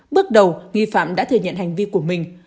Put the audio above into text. bước đầu nghi phạm đã thừa nhận hành vi của mình